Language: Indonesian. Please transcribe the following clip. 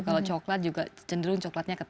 kalau coklat juga cenderung coklatnya